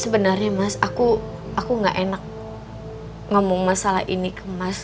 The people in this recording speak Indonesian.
sebenarnya mas aku gak enak ngomong masalah ini ke mas